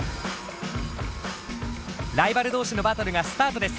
ライバル同士のバトルがスタートです。